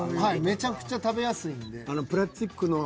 めちゃくちゃ食べやすいんで。